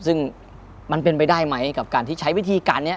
ซึ่งมันเป็นไปได้ไหมกับการที่ใช้วิธีการนี้